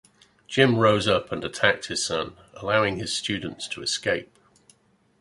Jim rose up and attacked his son, allowing his students to escape.